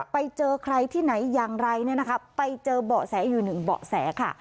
ไปเจอใครที่ไหนอย่างไรเนี่ยนะคะไปเจอเบาะแสอยู่หนึ่งเบาะแสค่ะ